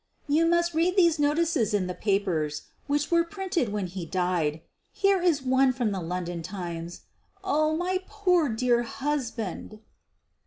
"You must read these notices in the papers which were printed when he died. Here is one from the London Times — oh! my poor dear husband!